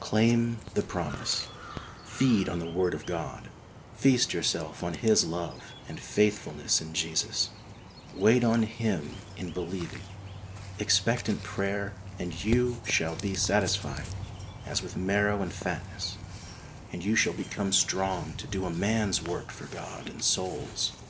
Claim the promise; feed on the word of God ; feast yourself on His love and faithfulness in Jesus ; wait on Him in believing, expectant prayer and you shall be satisfied as with marrow and fatness, and you shall become strong to do a man's work for God and souls.